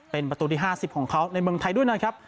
เป็นประตูที่๕๐ของเขาในเมืองไทยด้วยนะครับ